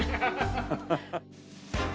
ハハハッ。